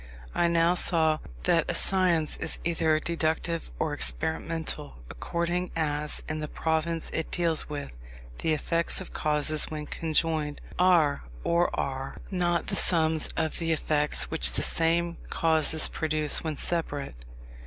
I now saw, that a science is either deductive or experimental, according as, in the province it deals with, the effects of causes when conjoined, are or are not the sums of the effects which the same causes produce when separate.